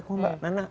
kok mbak nana